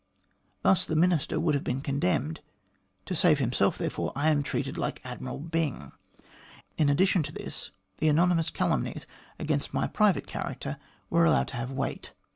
Thus the Minister would have been condemned. To save himself, therefore, I am treated like Admiral Byng. In addition to this, the anonymous calumnies against my private character were allowed to have weight.